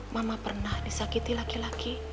mama pernah disakiti laki laki